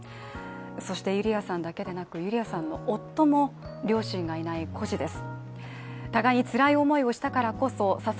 そしてユリアさんだけでなくユリアさんの夫も両親がいない孤児です。